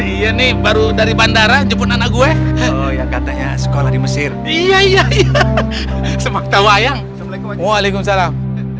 ini baru dari bandara jepun anak gue yang katanya sekolah di mesir iya semak tawa yang waalaikumsalam